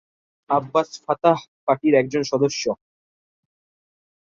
Abbas Fatah পার্টির একজন সদস্য।